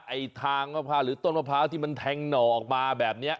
ไอ้ทางมะพร้าวหรือต้นมะพร้าวที่มันแทงหน่อออกมาแบบนี้